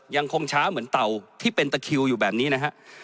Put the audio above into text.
ยังคงช้าเหมือนเต่าที่เป็นตะคิวอยู่แบบนี้นะฮะ